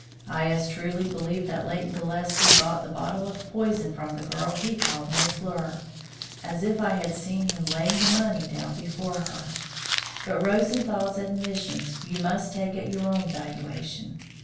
I as truly believe that Leighton Gillespie bought the bottle of poison from the girl he called Mille fleurs as if I had seen him laying the money down before her. But Rosenthal's admissions you must take at your own valuation.